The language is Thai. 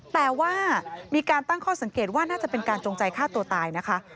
แต่ว่ามีการตั้งข้อสังเกตว่าน่าจะเป็นการจงใจฆ่าตัวตายนะคะ